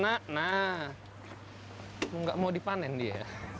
nggak mau dipanen dia